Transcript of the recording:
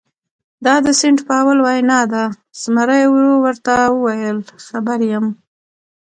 دا د سینټ پاول وینا ده، زمري ورو ورته وویل: خبر یم.